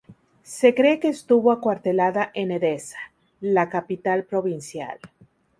Se cree que estuvo acuartelada en Edesa, la capital provincial.